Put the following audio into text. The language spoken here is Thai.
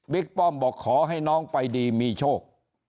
ป้อมบอกขอให้น้องไปดีมีโชค